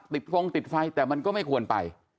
ฟงติดไฟแต่มันก็ไม่ควรไป